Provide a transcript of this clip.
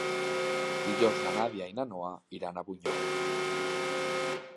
Dijous na Nàdia i na Noa iran a Bunyol.